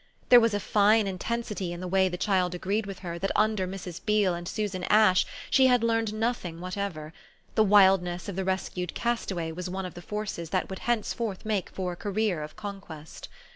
There was a fine intensity in the way the child agreed with her that under Mrs. Beale and Susan Ash she had learned nothing whatever; the wildness of the rescued castaway was one of the forces that would henceforth make for a career of conquest.